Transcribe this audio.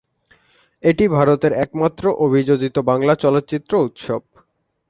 এটি ভারতের একমাত্র অভিযোজিত বাংলা চলচ্চিত্র উৎসব।